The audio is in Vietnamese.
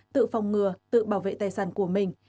tự phòng ngừa tự bảo vệ tài sản của mình